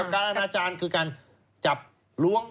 การอนาจารย์คือการจับล้วง